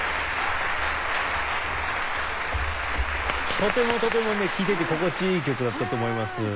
とてもとてもね聴いてて心地いい曲だったと思います。